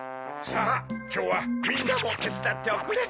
さぁきょうはみんなもてつだっておくれ。